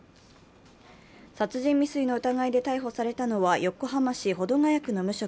殺人未遂の疑いで逮捕されたのは横浜市保土ケ谷区の無職・